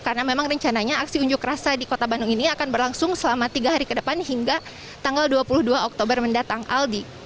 karena memang rencananya aksi unjuk rasa di kota bandung ini akan berlangsung selama tiga hari ke depan hingga tanggal dua puluh dua oktober mendatang aldi